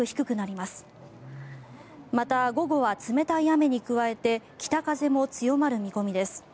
また、午後は冷たい雨に加えて北風も強まる見込みです。